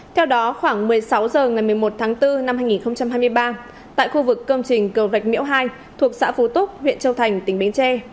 theo đó khoảng một mươi sáu h ngày một mươi một tháng bốn năm hai nghìn hai mươi ba tại khu vực công trình cầu rạch miễu hai thuộc xã phú túc huyện châu thành tỉnh bến tre